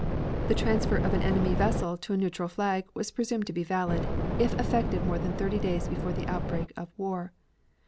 The transfer of an enemy vessel to a neutral flag was presumed to be valid, if effected more than thirty days before the outbreak of war.